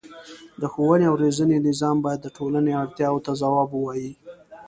د ښوونې او روزنې نظام باید د ټولنې اړتیاوو ته ځواب ووايي.